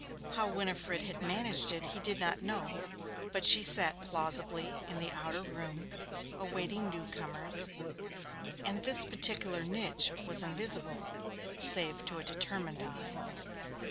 How Winifred had managed it he did not know but she sat plausibly in the outer room, awaiting newcomers, and this particular niche was invisible, save to a determined eye.